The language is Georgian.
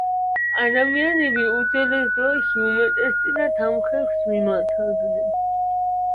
ადამიანები უძველეს დროში უმეტესწილად ამ ხერხს მიმართავდნენ.